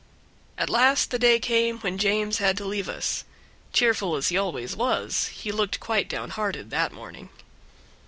At last the day came when James had to leave us; cheerful as he always was, he looked quite down hearted that morning.